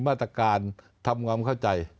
มาตรการทำความเข้าใจ